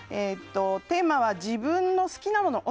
テーマは自分の好きなもの。